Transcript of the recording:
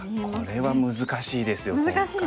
これは難しいですよ今回は。